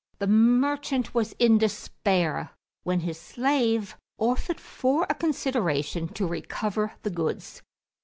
The merchant was in despair, when his slave offered for a consideration to recover the goods.